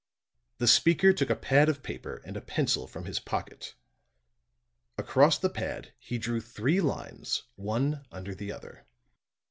The speaker took a pad of paper and a pencil from his pocket. Across the pad he drew three lines one under the other.